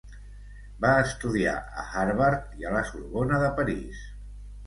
Va estudiar a Harvard i a la Sorbona de París.